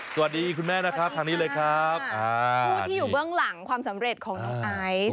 สวัสดีคุณแม่นะครับทางนี้เลยครับผู้ที่อยู่เบื้องหลังความสำเร็จของน้องไอซ์